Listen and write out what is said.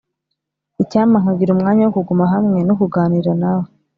icyampa nkagira umwanya wo kuguma hamwe no kuganira nawe.